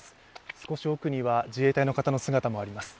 少し奥には自衛隊の方の姿もあります。